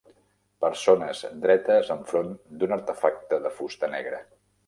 Persones dretes enfront d'un artefacte de fusta negra.